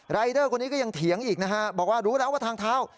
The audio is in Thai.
รายเดอร์คนนี้ก็ยังเถียงอีกนะฮะบอกว่ารู้แล้วว่าทางเท้า